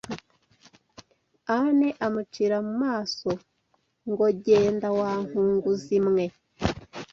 Ane amucira mu mason go genda wa nkunguzi mwe